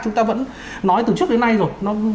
chúng ta vẫn nói từ trước đến nay rồi